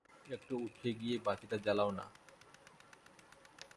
একটু উঠে গিয়ে বাতিটা জ্বালাও না।